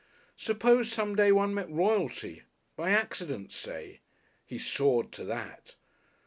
Suppose some day one met Royalty. By accident, say! He soared to that!